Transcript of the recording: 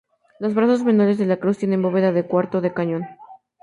Los brazos menores de la cruz tienen bóveda de cuarto de cañón.